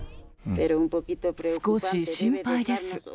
少し心配です。